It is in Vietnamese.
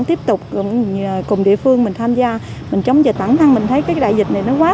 tiếp tục cùng địa phương mình tham gia mình chống dịch bản thân mình thấy cái đại dịch này nó quá